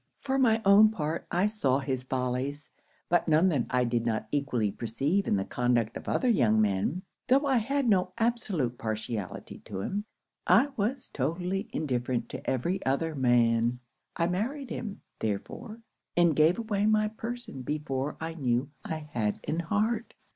'For my own part, I saw his follies; but none that I did not equally perceive in the conduct of other young men. Tho' I had no absolute partiality to him, I was totally indifferent to every other man. I married him, therefore; and gave away my person before I knew I had an heart.